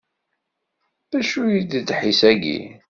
D acu d ddḥis-ayi?